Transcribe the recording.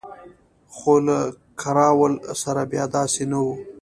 خو له کراول سره بیا داسې نه وو.